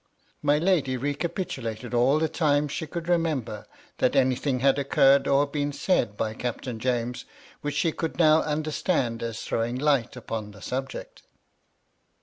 My lady recapitulated all the times she could remem ber, that anything had occurred, or been said by Cap tain James which she could now understand as throwing light upon the subject.